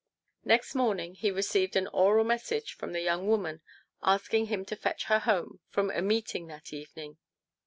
Next morning he received an oral message from the young woman, asking him to fetch her home from a meeting that evening.